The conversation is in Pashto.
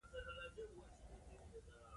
او په منځ کښې يې لويې ګردې ډبرې ايښوول سوې وې.